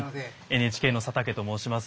ＮＨＫの佐竹と申します。